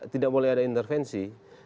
tidak boleh ada intervensi